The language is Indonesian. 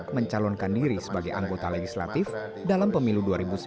mencalonkan diri sebagai anggota legislatif dalam pemilu dua ribu sembilan belas